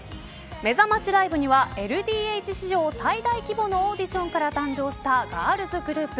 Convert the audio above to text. めざましライブにはＬＤＨ史上最大規模のオーディションから誕生したガールズグループ